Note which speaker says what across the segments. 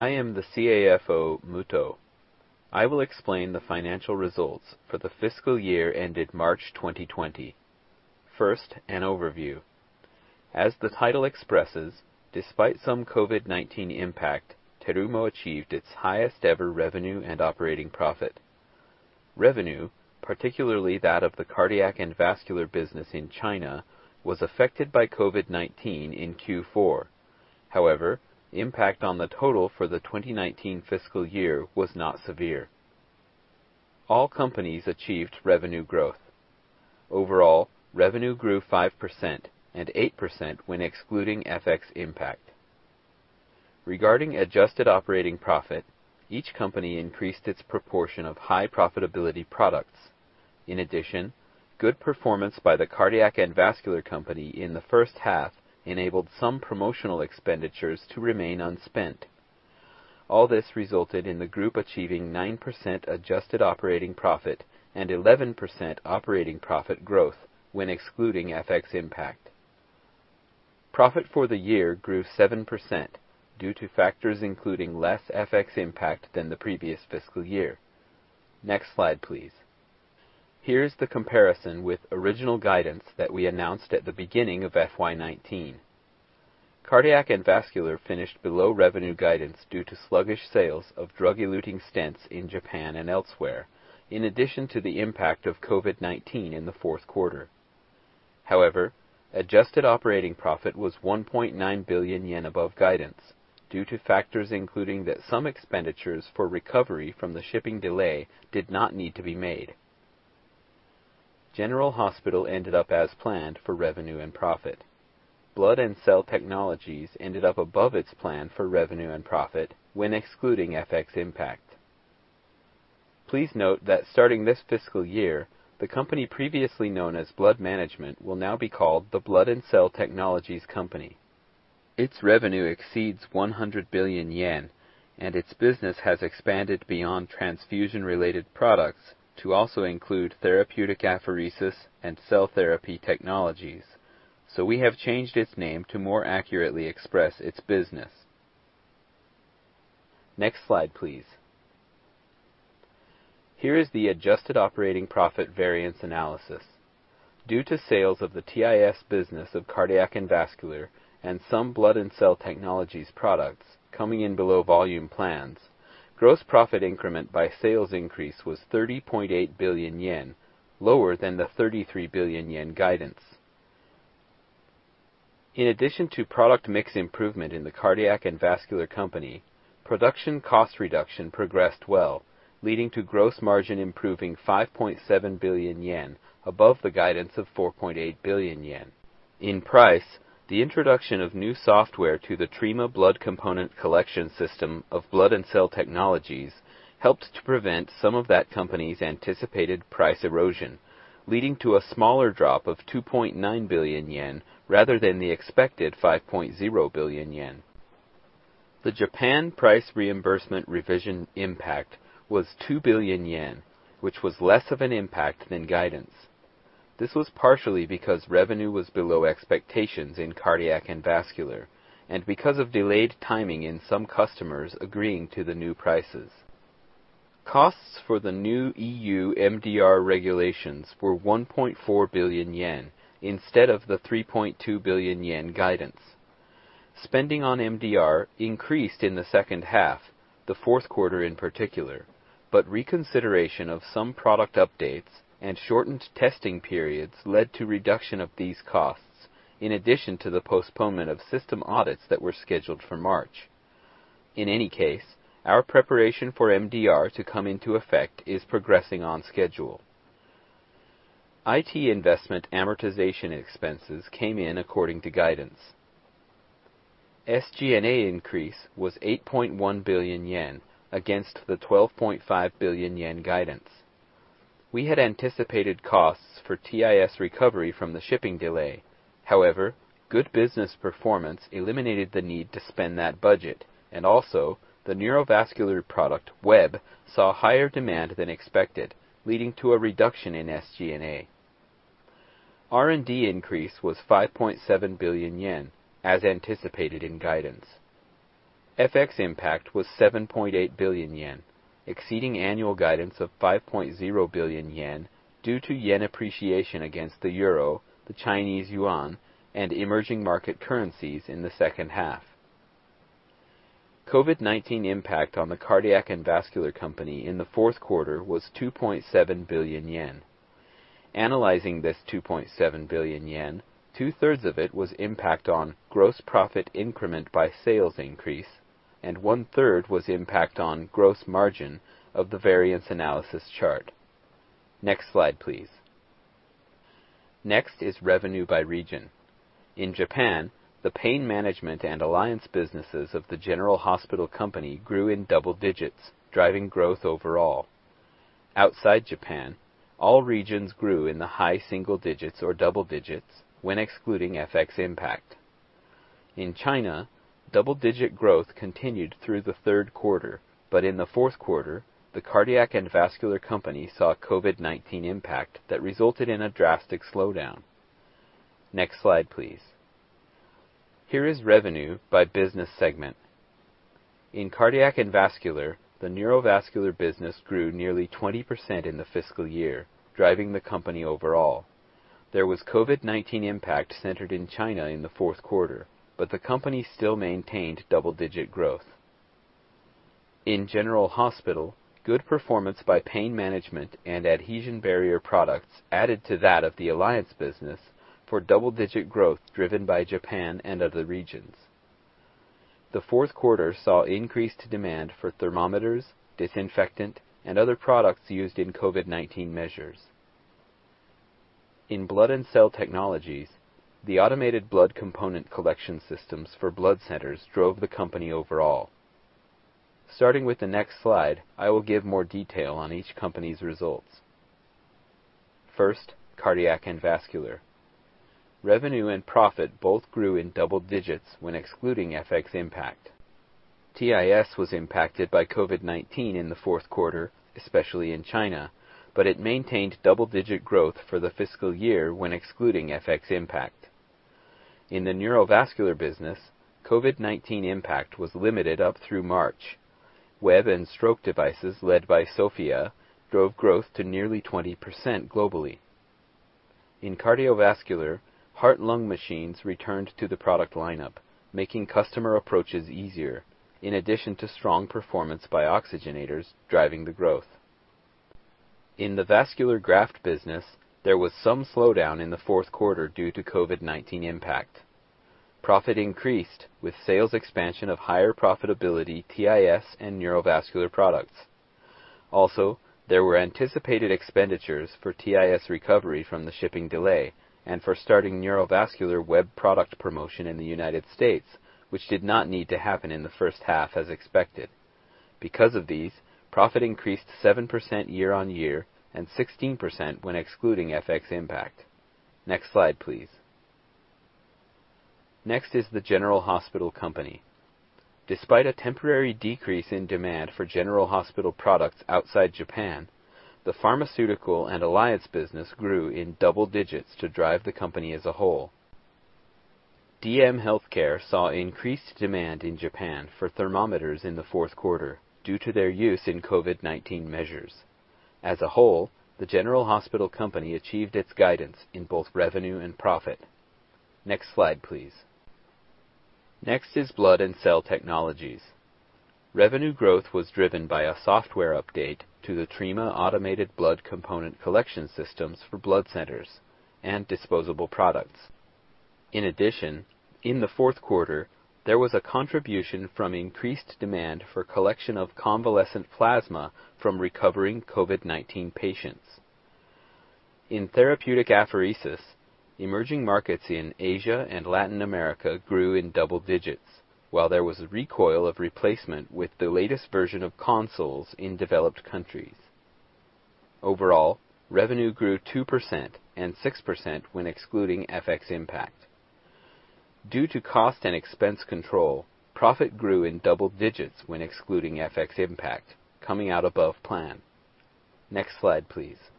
Speaker 1: I am the CFO, Mutoh. I will explain the financial results for the fiscal year ended March 2020. First, an overview. As the title expresses, despite some COVID-19 impact, Terumo achieved its highest ever revenue and operating profit. Revenue, particularly that of the Cardiac and Vascular business in China, was affected by COVID-19 in Q4. Impact on the total for the 2019 fiscal year was not severe. All companies achieved revenue growth. Revenue grew 5% and 8% when excluding FX impact. Regarding adjusted operating profit, each company increased its proportion of high profitability products. Good performance by the Cardiac and Vascular Company in the first half enabled some promotional expenditures to remain unspent. All this resulted in the group achieving 9% adjusted operating profit and 11% operating profit growth when excluding FX impact. Profit for the year grew 7% due to factors including less FX impact than the previous fiscal year. Next slide, please. Here's the comparison with original guidance that we announced at the beginning of FY 2019. Cardiac and Vascular finished below revenue guidance due to sluggish sales of drug-eluting stents in Japan and elsewhere, in addition to the impact of COVID-19 in the fourth quarter. Adjusted operating profit was 1.9 billion yen above guidance due to factors including that some expenditures for recovery from the shipping delay did not need to be made. General Hospital ended up as planned for revenue and profit. Blood and Cell Technologies ended up above its plan for revenue and profit when excluding FX impact. Please note that starting this fiscal year, the company previously known as Blood Management will now be called the Blood and Cell Technologies Company. Its revenue exceeds 100 billion yen, its business has expanded beyond transfusion-related products to also include therapeutic apheresis and cell therapy technologies. Next slide, please. Here is the adjusted operating profit variance analysis. Due to sales of the TIS business of Cardiac and Vascular Company and some Blood and Cell Technologies products coming in below volume plans, gross profit increment by sales increase was 30.8 billion yen, lower than the 33 billion yen guidance. In addition to product mix improvement in the Cardiac and Vascular Company, production cost reduction progressed well, leading to gross margin improving 5.7 billion yen above the guidance of 4.8 billion yen. In price, the introduction of new software to the Terumo blood component collection system of Blood and Cell Technologies helped to prevent some of that company's anticipated price erosion, leading to a smaller drop of 2.9 billion yen rather than the expected 5.0 billion yen. The Japan price reimbursement revision impact was 2 billion yen, which was less of an impact than guidance. This was partially because revenue was below expectations in cardiac and vascular and because of delayed timing in some customers agreeing to the new prices. Costs for the new EU MDR regulations were 1.4 billion yen instead of the 3.2 billion yen guidance. Spending on MDR increased in the second half, the fourth quarter in particular, but reconsideration of some product updates and shortened testing periods led to reduction of these costs, in addition to the postponement of system audits that were scheduled for March. In any case, our preparation for MDR to come into effect is progressing on schedule. IT investment amortization expenses came in according to guidance. SG&A increase was 8.1 billion yen against the 12.5 billion yen guidance. We had anticipated costs for TIS recovery from the shipping delay. However, good business performance eliminated the need to spend that budget, and also, the neurovascular product, WEB, saw higher demand than expected, leading to a reduction in SG&A. R&D increase was 5.7 billion yen, as anticipated in guidance. FX impact was 7.8 billion yen, exceeding annual guidance of 5.0 billion yen due to yen appreciation against the EUR, the CNY, and emerging market currencies in the second half. COVID-19 impact on the Cardiac and Vascular Company in the fourth quarter was 2.7 billion yen. Analyzing this 2.7 billion yen, two-thirds of it was impact on gross profit increment by sales increase, and one-third was impact on gross margin of the variance analysis chart. Next slide, please. Next is revenue by region. In Japan, the pain management and alliance businesses of the General Hospital Company grew in double digits, driving growth overall. Outside Japan, all regions grew in the high single digits or double digits when excluding FX impact. In China, double-digit growth continued through the third quarter, but in the fourth quarter, the Cardiac and Vascular Company saw COVID-19 impact that resulted in a drastic slowdown. Next slide, please. Here is revenue by business segment. In Cardiac and Vascular, the neurovascular business grew nearly 20% in the fiscal year, driving the company overall. There was COVID-19 impact centered in China in the fourth quarter, but the company still maintained double-digit growth. In General Hospital Company, good performance by pain management and adhesion barrier products added to that of the alliance business for double-digit growth driven by Japan and other regions. The fourth quarter saw increased demand for thermometers, disinfectant, and other products used in COVID-19 measures. In Blood and Cell Technologies, the automated blood component collection systems for blood centers drove the company overall. Starting with the next slide, I will give more detail on each company's results. First, Cardiac and Vascular Company. Revenue and profit both grew in double digits when excluding FX impact. TIS was impacted by COVID-19 in the fourth quarter, especially in China, but it maintained double-digit growth for the fiscal year when excluding FX impact. In the neurovascular business, COVID-19 impact was limited up through March. Web and stroke devices led by SOFIA drove growth to nearly 20% globally. In cardiovascular, heart-lung machines returned to the product lineup, making customer approaches easier, in addition to strong performance by oxygenators driving the growth. In the vascular graft business, there was some slowdown in the fourth quarter due to COVID-19 impact. Profit increased with sales expansion of higher profitability TIS and neurovascular products. There were anticipated expenditures for TIS recovery from the shipping delay and for starting neurovascular WEB product promotion in the United States, which did not need to happen in the first half as expected. Because of these, profit increased 7% year-on-year and 16% when excluding FX impact. Next slide, please. Next is the General Hospital Company. Despite a temporary decrease in demand for general hospital products outside Japan, the pharmaceutical and alliance business grew in double digits to drive the company as a whole. DM Healthcare saw increased demand in Japan for thermometers in the fourth quarter due to their use in COVID-19 measures. As a whole, the General Hospital Company achieved its guidance in both revenue and profit. Slide, please. Blood and Cell Technologies. Revenue growth was driven by a software update to the Terumo automated blood component collection systems for blood centers and disposable products. In addition, in the fourth quarter, there was a contribution from increased demand for collection of convalescent plasma from recovering COVID-19 patients. In therapeutic apheresis, emerging markets in Asia and Latin America grew in double digits, while there was a recoil of replacement with the latest version of consoles in developed countries. Overall, revenue grew 2% and 6% when excluding FX impact. Due to cost and expense control, profit grew in double digits when excluding FX impact, coming out above plan. Slide, please.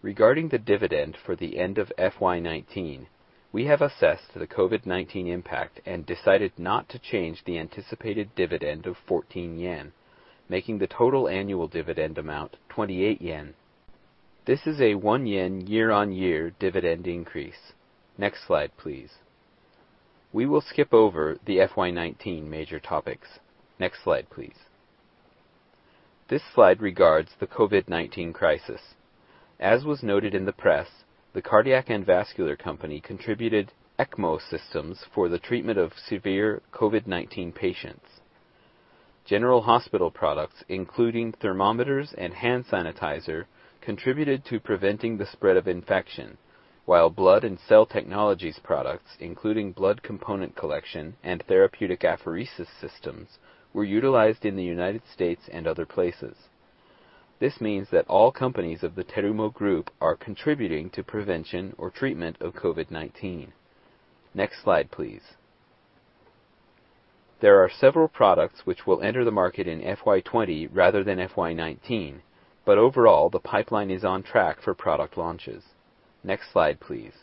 Speaker 1: Regarding the dividend for the end of FY19, we have assessed the COVID-19 impact and decided not to change the anticipated dividend of 14 yen, making the total annual dividend amount 28 yen. This is a 1 yen year-on-year dividend increase. Next slide, please. We will skip over the FY19 major topics. Next slide, please. This slide regards the COVID-19 crisis. As was noted in the press, the Cardiac and Vascular Company contributed ECMO systems for the treatment of severe COVID-19 patients. General Hospital products, including thermometers and hand sanitizer, contributed to preventing the spread of infection, while Blood and Cell Technologies products, including blood component collection and therapeutic apheresis systems, were utilized in the U.S. and other places. This means that all companies of the Terumo Group are contributing to prevention or treatment of COVID-19. Next slide, please. There are several products which will enter the market in FY 2020 rather than FY 2019, but overall, the pipeline is on track for product launches. Next slide, please.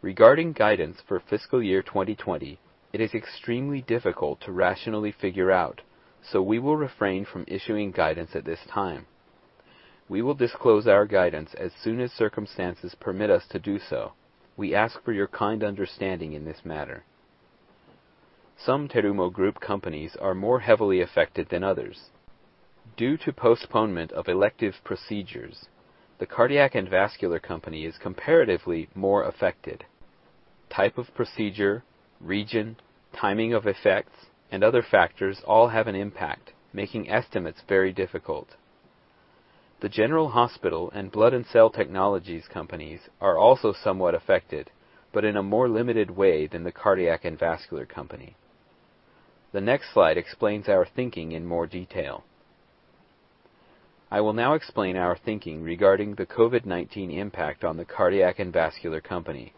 Speaker 1: Regarding guidance for fiscal year 2020, it is extremely difficult to rationally figure out, so we will refrain from issuing guidance at this time. We will disclose our guidance as soon as circumstances permit us to do so. We ask for your kind understanding in this matter. Some Terumo Group companies are more heavily affected than others. Due to postponement of elective procedures, the Cardiac and Vascular Company is comparatively more affected. Type of procedure, region, timing of effects, and other factors all have an impact, making estimates very difficult. The General Hospital Company and Blood and Cell Technologies companies are also somewhat affected, but in a more limited way than the Cardiac and Vascular Company. The next slide explains our thinking in more detail. I will now explain our thinking regarding the COVID-19 impact on the Cardiac and Vascular Company.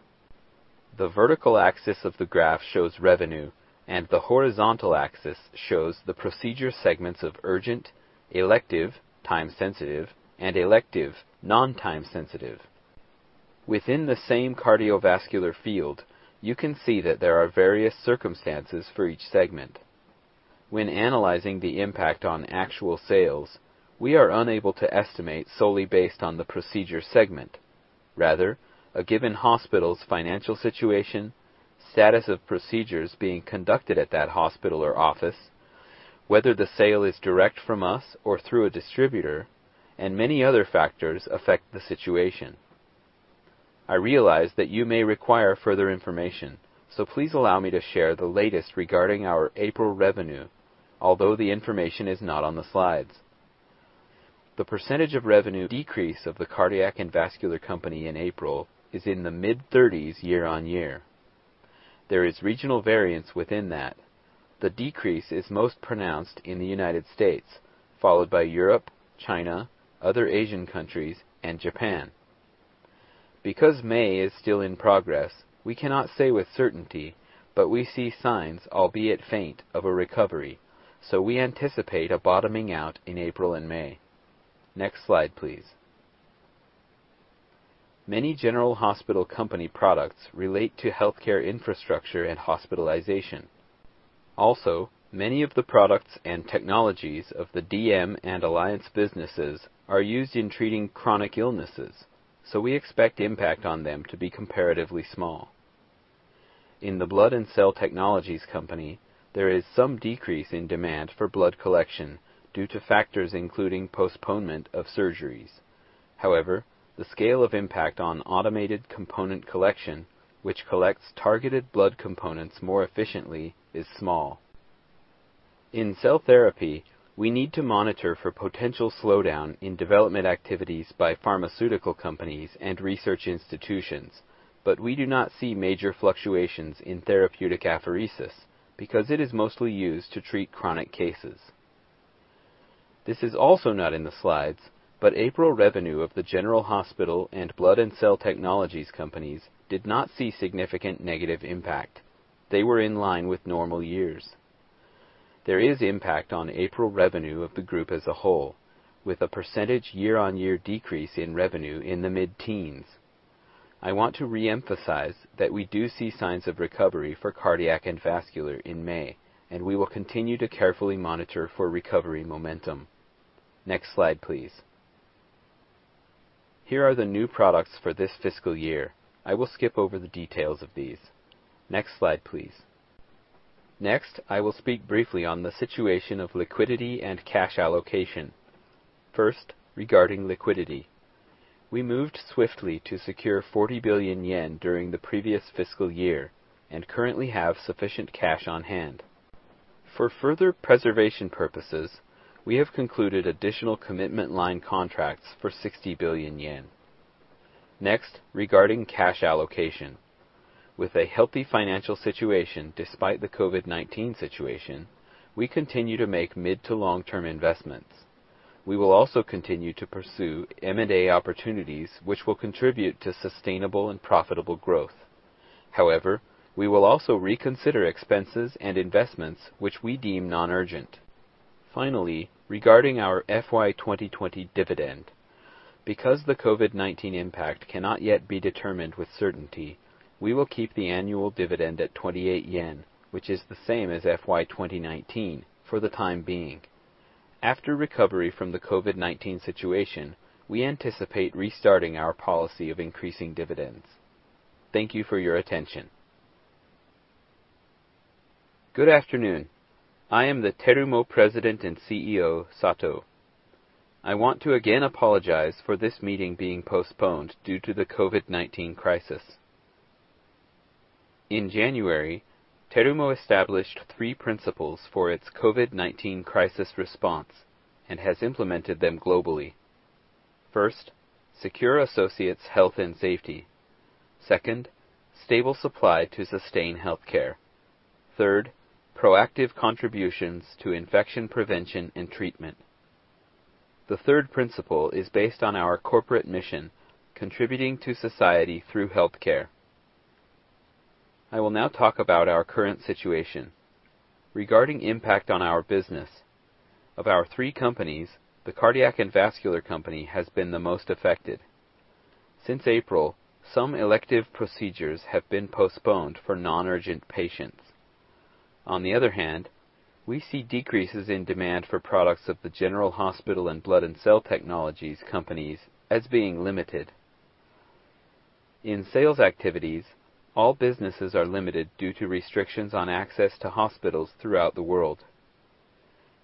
Speaker 1: The vertical axis of the graph shows revenue, and the horizontal axis shows the procedure segments of urgent, elective (time-sensitive), and elective (non-time-sensitive). Within the same cardiovascular field, you can see that there are various circumstances for each segment. When analyzing the impact on actual sales, we are unable to estimate solely based on the procedure segment. Rather, a given hospital's financial situation, status of procedures being conducted at that hospital or office, whether the sale is direct from us or through a distributor, and many other factors affect the situation. I realize that you may require further information, so please allow me to share the latest regarding our April revenue, although the information is not on the slides. The percentage of revenue decrease of the Cardiac and Vascular Company in April is in the mid-30s year-on-year. There is regional variance within that. The decrease is most pronounced in the United States, followed by Europe, China, other Asian countries, and Japan. Because May is still in progress, we cannot say with certainty, but we see signs, albeit faint, of a recovery, so we anticipate a bottoming out in April and May. Next slide, please. Many General Hospital Company products relate to healthcare infrastructure and hospitalization. Also, many of the products and technologies of the DM and alliance businesses are used in treating chronic illnesses, so we expect impact on them to be comparatively small. In the Blood and Cell Technologies Company, there is some decrease in demand for blood collection due to factors including postponement of surgeries. The scale of impact on automated component collection, which collects targeted blood components more efficiently, is small. In cell therapy, we need to monitor for potential slowdown in development activities by pharmaceutical companies and research institutions. We do not see major fluctuations in therapeutic apheresis because it is mostly used to treat chronic cases. This is also not in the slides, April revenue of the General Hospital and Blood and Cell Technologies companies did not see significant negative impact. They were in line with normal years. There is impact on April revenue of the group as a whole, with a percentage year-over-year decrease in revenue in the mid-teens. I want to reemphasize that we do see signs of recovery for Cardiac and Vascular in May, and we will continue to carefully monitor for recovery momentum. Next slide, please. Here are the new products for this fiscal year. I will skip over the details of these. Next slide, please. Next, I will speak briefly on the situation of liquidity and cash allocation. First, regarding liquidity. We moved swiftly to secure 40 billion yen during the previous fiscal year and currently have sufficient cash on hand. For further preservation purposes, we have concluded additional commitment line contracts for 60 billion yen. Next, regarding cash allocation. With a healthy financial situation despite the COVID-19 situation, we continue to make mid to long-term investments. We will also continue to pursue M&A opportunities which will contribute to sustainable and profitable growth. However, we will also reconsider expenses and investments which we deem non-urgent. Finally, regarding our FY 2020 dividend. Because the COVID-19 impact cannot yet be determined with certainty, we will keep the annual dividend at 28 yen, which is the same as FY 2019 for the time being. After recovery from the COVID-19 situation, we anticipate restarting our policy of increasing dividends. Thank you for your attention.
Speaker 2: Good afternoon. I am the Terumo President and CEO, Sato. I want to again apologize for this meeting being postponed due to the COVID-19 crisis. In January, Terumo established three principles for its COVID-19 crisis response and has implemented them globally. First, secure associates' health and safety. Second, stable supply to sustain healthcare. Third, proactive contributions to infection prevention and treatment. The third principle is based on our corporate mission: contributing to society through healthcare. I will now talk about our current situation. Regarding impact on our business. Of our three companies, the Cardiac and Vascular Company has been the most affected. Since April, some elective procedures have been postponed for non-urgent patients. On the other hand, we see decreases in demand for products of the General Hospital Company and Blood and Cell Technologies companies as being limited. In sales activities, all businesses are limited due to restrictions on access to hospitals throughout the world.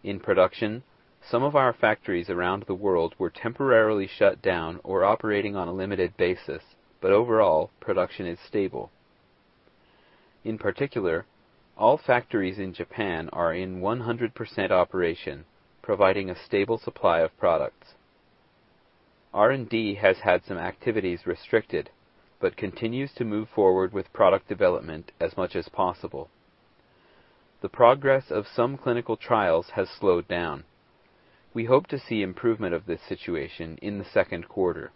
Speaker 2: In production, some of our factories around the world were temporarily shut down or operating on a limited basis, but overall, production is stable. In particular, all factories in Japan are in 100% operation, providing a stable supply of products. R&D has had some activities restricted but continues to move forward with product development as much as possible. The progress of some clinical trials has slowed down. We hope to see improvement of this situation in the second quarter.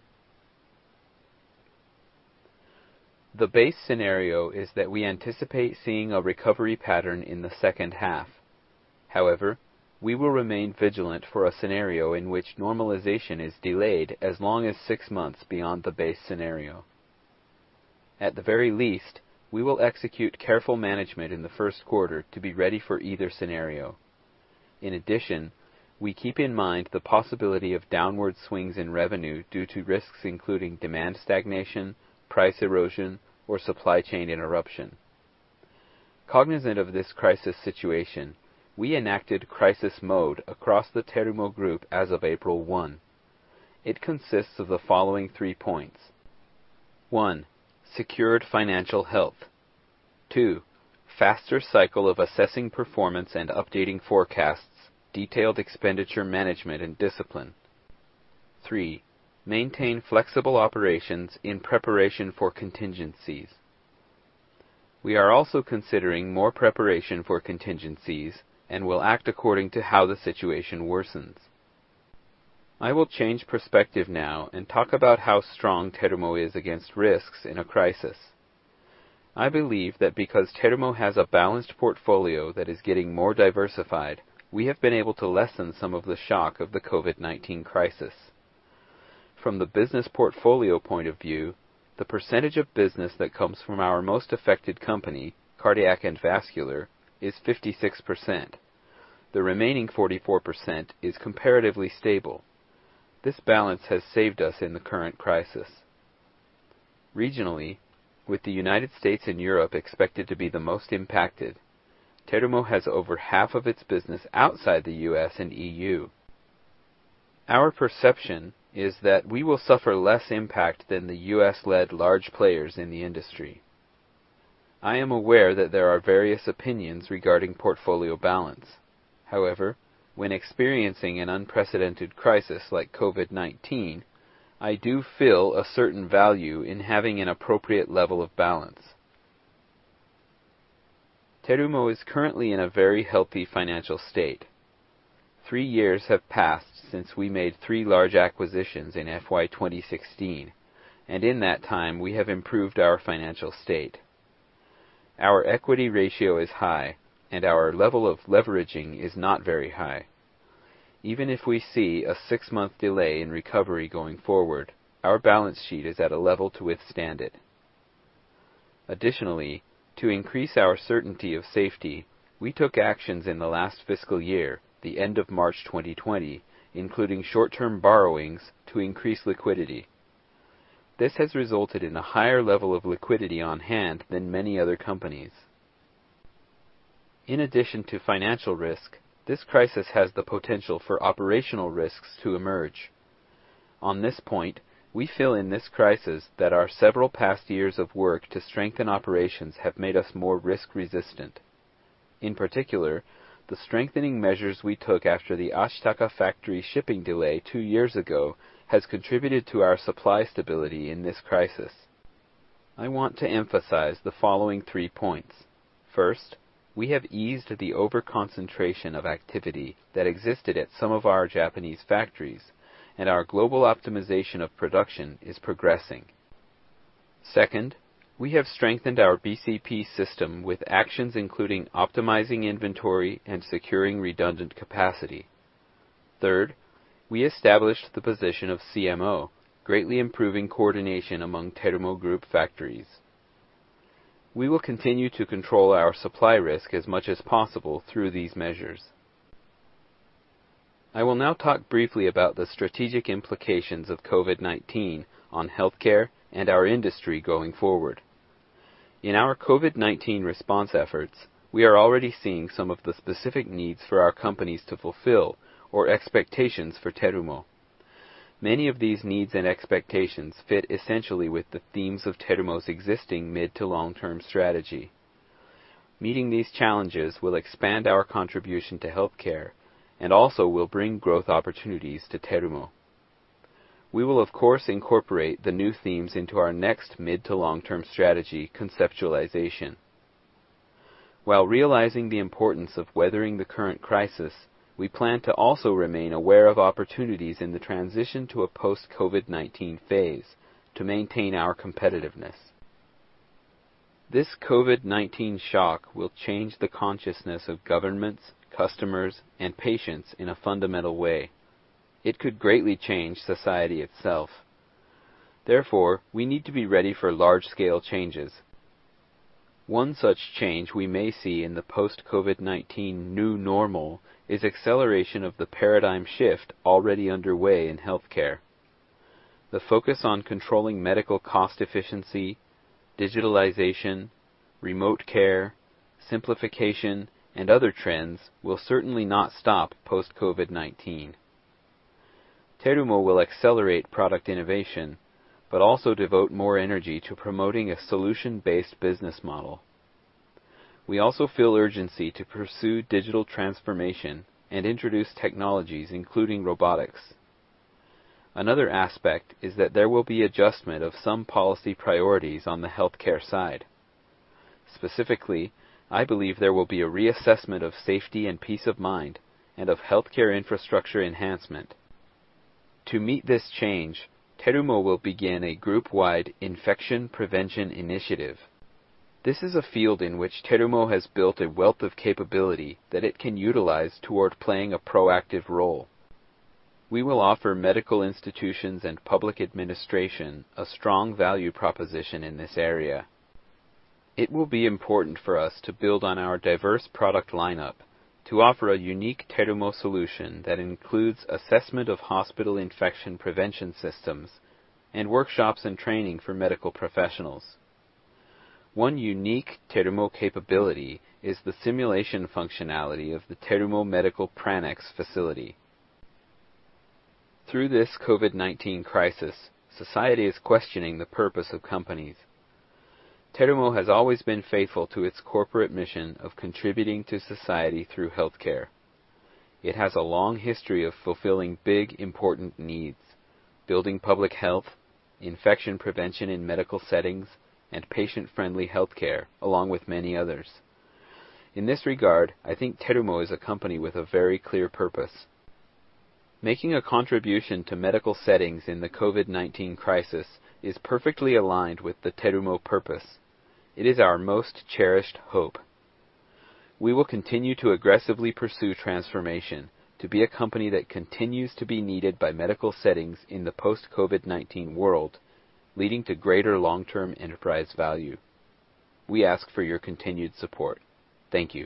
Speaker 2: The base scenario is that we anticipate seeing a recovery pattern in the second half. However, we will remain vigilant for a scenario in which normalization is delayed as long as six months beyond the base scenario. At the very least, we will execute careful management in the first quarter to be ready for either scenario. In addition, we keep in mind the possibility of downward swings in revenue due to risks including demand stagnation, price erosion, or supply chain interruption. Cognizant of this crisis situation, we enacted crisis mode across the Terumo Group as of April 1. It consists of the following three points. 1. Secured financial health. 2. Faster cycle of assessing performance and updating forecasts, detailed expenditure management and discipline. 3. Maintain flexible operations in preparation for contingencies. We are also considering more preparation for contingencies and will act according to how the situation worsens. I will change perspective now and talk about how strong Terumo is against risks in a crisis. I believe that because Terumo has a balanced portfolio that is getting more diversified, we have been able to lessen some of the shock of the COVID-19 crisis. From the business portfolio point of view, the percentage of business that comes from our most affected company, Cardiac and Vascular Company, is 56%. The remaining 44% is comparatively stable. This balance has saved us in the current crisis. Regionally, with the United States and Europe expected to be the most impacted, Terumo has over half of its business outside the U.S. and EU. Our perception is that we will suffer less impact than the U.S.-led large players in the industry. I am aware that there are various opinions regarding portfolio balance. When experiencing an unprecedented crisis like COVID-19, I do feel a certain value in having an appropriate level of balance. Terumo is currently in a very healthy financial state. Three years have passed since we made three large acquisitions in FY 2016, and in that time, we have improved our financial state. Our equity ratio is high, and our level of leveraging is not very high. Even if we see a six-month delay in recovery going forward, our balance sheet is at a level to withstand it. Additionally, to increase our certainty of safety, we took actions in the last fiscal year, the end of March 2020, including short-term borrowings to increase liquidity. This has resulted in a higher level of liquidity on hand than many other companies. In addition to financial risk, this crisis has the potential for operational risks to emerge. On this point, we feel in this crisis that our several past years of work to strengthen operations have made us more risk-resistant. In particular, the strengthening measures we took after the Ashitaka factory shipping delay two years ago has contributed to our supply stability in this crisis. I want to emphasize the following three points. First, we have eased the over-concentration of activity that existed at some of our Japanese factories, and our global optimization of production is progressing. Second, we have strengthened our BCP system with actions including optimizing inventory and securing redundant capacity. Third, we established the position of CMO, greatly improving coordination among Terumo Group factories. We will continue to control our supply risk as much as possible through these measures. I will now talk briefly about the strategic implications of COVID-19 on healthcare and our industry going forward. In our COVID-19 response efforts, we are already seeing some of the specific needs for our companies to fulfill or expectations for Terumo. Many of these needs and expectations fit essentially with the themes of Terumo's existing mid to long-term strategy. Meeting these challenges will expand our contribution to healthcare and also will bring growth opportunities to Terumo. We will, of course, incorporate the new themes into our next mid to long-term strategy conceptualization. While realizing the importance of weathering the current crisis, we plan to also remain aware of opportunities in the transition to a post-COVID-19 phase to maintain our competitiveness. This COVID-19 shock will change the consciousness of governments, customers, and patients in a fundamental way. It could greatly change society itself. Therefore, we need to be ready for large-scale changes. One such change we may see in the post-COVID-19 new normal is acceleration of the paradigm shift already underway in healthcare. The focus on controlling medical cost efficiency, digitalization, remote care, simplification, and other trends will certainly not stop post-COVID-19. Terumo will accelerate product innovation but also devote more energy to promoting a solution-based business model. We also feel urgency to pursue digital transformation and introduce technologies, including robotics. Another aspect is that there will be adjustment of some policy priorities on the healthcare side. Specifically, I believe there will be a reassessment of safety and peace of mind and of healthcare infrastructure enhancement. To meet this change, Terumo will begin a Group-wide Infection Prevention Initiative. This is a field in which Terumo has built a wealth of capability that it can utilize toward playing a proactive role. We will offer medical institutions and public administration a strong value proposition in this area. It will be important for us to build on our diverse product lineup to offer a unique Terumo solution that includes assessment of hospital infection prevention systems and workshops and training for medical professionals. One unique Terumo capability is the simulation functionality of the Terumo Medical Pranex facility. Through this COVID-19 crisis, society is questioning the purpose of companies. Terumo has always been faithful to its corporate mission of contributing to society through healthcare. It has a long history of fulfilling big, important needs, building public health, infection prevention in medical settings, and patient-friendly healthcare, along with many others. In this regard, I think Terumo is a company with a very clear purpose. Making a contribution to medical settings in the COVID-19 crisis is perfectly aligned with the Terumo purpose. It is our most cherished hope. We will continue to aggressively pursue transformation to be a company that continues to be needed by medical settings in the post-COVID-19 world, leading to greater long-term enterprise value. We ask for your continued support. Thank you.